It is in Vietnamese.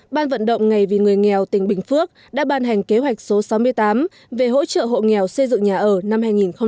ban vận động ngày vì người nghèo tỉnh bình phước đã ban hành kế hoạch số sáu mươi tám về hỗ trợ hộ nghèo xây dựng nhà ở năm hai nghìn một mươi chín